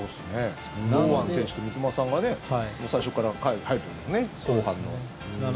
堂安選手と三笘さんが最初から入ったよね、後半の。